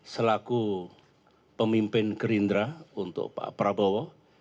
selaku pemimpin gerindra untuk pak prabowo